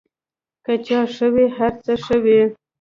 که چای ښه وي، هر څه ښه وي.